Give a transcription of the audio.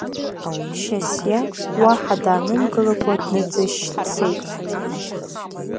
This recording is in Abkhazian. Шьасиа, уаҳа даанымгылакәа, дныҵышьшь дцеит.